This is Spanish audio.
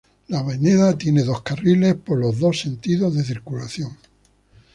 La avenida tiene dos carriles por los dos sentidos de circulación.